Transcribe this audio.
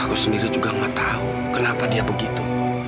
aku sendiri juga gak tahu kenapa dia begitu